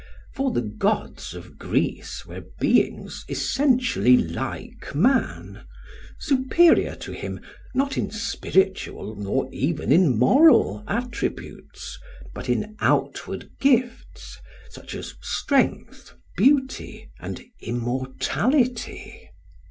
For the gods of Greece were beings essentially like man, superior to him not in spiritual nor even in moral attributes, but in outward gifts, such as strength, beauty, and immortality.